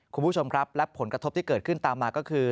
คุณผู้ชมครับและผลกระทบที่เกิดขึ้นตามมาก็คือ